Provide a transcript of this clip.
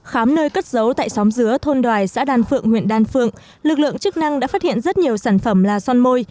khám nơi cất giấu tại xóm dứa thôn đoài xã đan phượng huyện đan phượng lực lượng chức năng đã phát hiện rất nhiều sản phẩm là son môi